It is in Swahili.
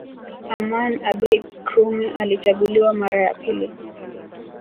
Aman Abeid Krume alichaguliwa mara ya pili